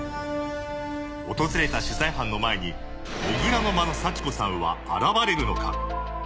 訪れた取材班の前に土竜の間の幸子さんは現れるのか？